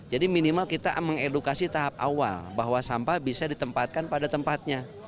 jadi minimal kita mengedukasi tahap awal bahwa sampah bisa ditempatkan pada tempatnya